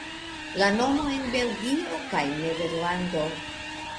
La nomo en Belgio kaj Nederlando.